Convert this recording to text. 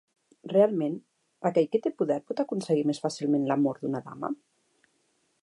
Realment, aquell qui té poder pot aconseguir més fàcilment l'amor d'una dama?